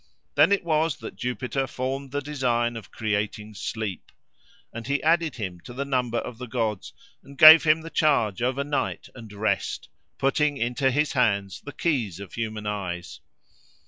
Then it was that Jupiter formed the design of creating Sleep; and he added him to the number of the gods, and gave him the charge over night and rest, putting into his hands the keys of human eyes.